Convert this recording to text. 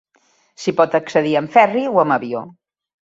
S'hi pot accedir amb ferri o amb avió.